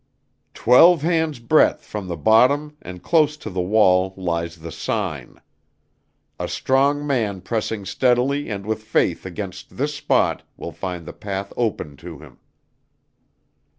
Twelve hands' breadth from the bottom and close to the wall lies the sign. A strong man pressing steadily and with faith against this spot will find the path opened to him."